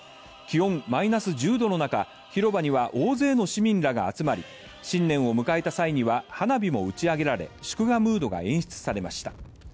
気温マイナス１０度の中、広場には大勢の市民らが集まり新年を迎えた際には花火も打ち上げられ祝賀ムードが演出されました。